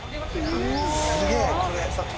すげえこれ。